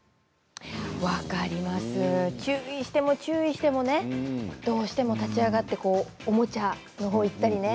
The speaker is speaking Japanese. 注意しても注意してもねどうしても立ち上がっておもちゃのほうに行ったりね。